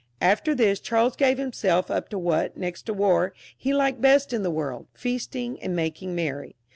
After this Charles gave himself up to what, next to war, he liked best in the world, feasting and making merry.